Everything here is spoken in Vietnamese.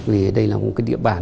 vì đây là một cái địa bản